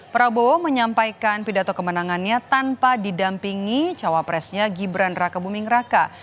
prabowo menyampaikan pidato kemenangannya tanpa didampingi cawapresnya gibran raka buming raka